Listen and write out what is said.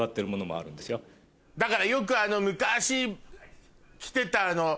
だからよく昔着てた